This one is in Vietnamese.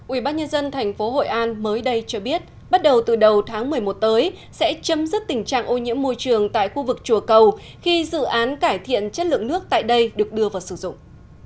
ubnd tp hội an mới đây cho biết bắt đầu từ đầu tháng một mươi một tới sẽ chấm dứt tình trạng ô nhiễm môi trường tại khu vực chùa cầu khi dự án cải thiện chất lượng nước tại đây được đưa vào sử dụng